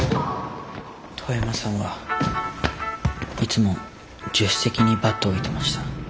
遠山さんはいつも助手席にバットを置いてました。